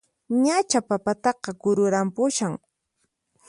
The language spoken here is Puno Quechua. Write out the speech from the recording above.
Ñachá papataqa kururanpushan!